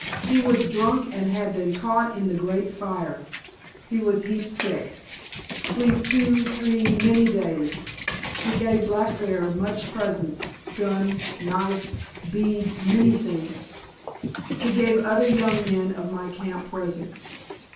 He was drunk and had been caught in the great fire. He was heap sick, sleep two, three, many days. He gave Black Bear much presents, gun, knife, beads, many things. He gave other young men of my camp presents.